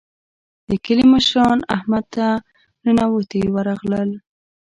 د کلي مشران احمد ته ننواتې ورغلل.